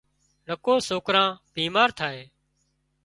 نڪو سوڪران بيمار ٿائي